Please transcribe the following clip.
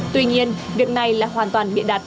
tuy nhiên việc này là hoàn toàn bịa đặt